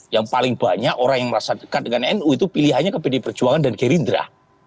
yang paling banyak orang yang merasa dekat dengan nu itu pilihannya ke pd perjuangan dan gerindra